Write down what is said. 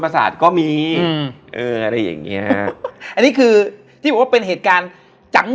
มาลอกอีกรอบ